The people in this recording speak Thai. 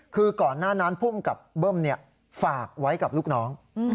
คือก่อนหน้านั้นผู้บังคับเบิ้มเนี่ยฝากไว้กับลูกน้อง